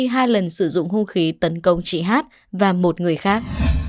hai lần sử dụng hung khí tấn công chị hát và một người khác